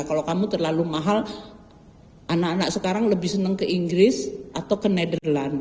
kalau kamu terlalu mahal anak anak sekarang lebih senang ke inggris atau ke netherland